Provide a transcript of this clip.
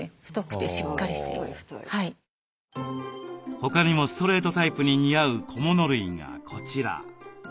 他にもストレートタイプに似合う小物類がこちら。